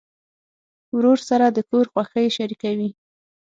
ورور سره د کور خوښۍ شریکوي.